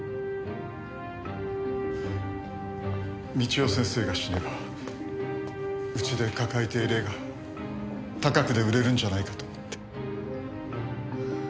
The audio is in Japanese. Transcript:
美千代先生が死ねばうちで抱えている絵が高く売れるんじゃないかと思って。